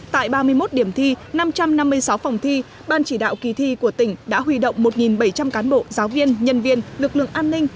tại ba mươi một điểm thi năm trăm năm mươi sáu phòng thi ban chỉ đạo kỳ thi của tỉnh đã huy động một bảy trăm linh cán bộ giáo viên nhân viên lực lượng an ninh